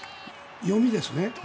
読みです。